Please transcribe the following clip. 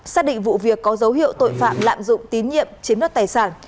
xác định vụ việc có dấu hiệu tội phạm lạm dụng tín nhiệm chiếm đất tài sản